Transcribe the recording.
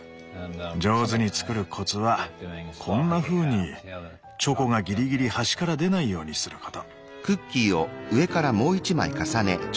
上手に作るコツはこんなふうにチョコがギリギリ端から出ないようにすること。